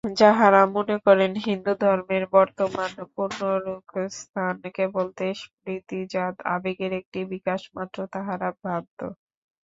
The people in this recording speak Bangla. যাঁহারা মনে করেন হিন্দুধর্মের বর্তমান পুনরুত্থান কেবল দেশপ্রীতিজাত আবেগের একটি বিকাশমাত্র, তাঁহারা ভ্রান্ত।